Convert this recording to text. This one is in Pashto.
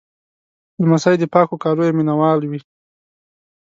لمسی د پاکو کالیو مینهوال وي.